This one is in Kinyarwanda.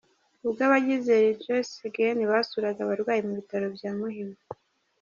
Ubwo abagize Rejoice again basuraga abarwayi mu bitaro bya Muhima.